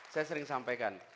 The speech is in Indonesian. saya sering sampaikan